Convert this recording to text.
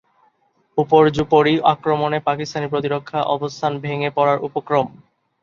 উপর্যুপরি আক্রমণে পাকিস্তানি প্রতিরক্ষা অবস্থান ভেঙে পড়ার উপক্রম।